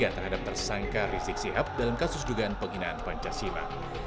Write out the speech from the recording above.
terhadap tersangka rizik sihab dalam kasus dugaan penghinaan pancasila